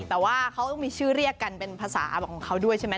แต่ว่าเขาต้องมีชื่อเรียกกันเป็นภาษาของเขาด้วยใช่ไหม